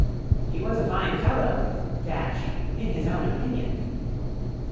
"He was a fine fellow in his own opinion."